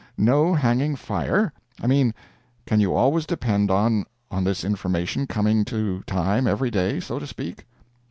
"No hanging fire?—I mean, can you always depend on—on this information coming to time every day, so to speak?"